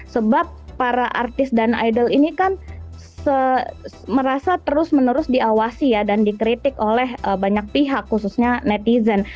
sebab para artis dan idol ini kan merasa terus menerus diawasi ya dan dikritik oleh banyak pihak khususnya netizen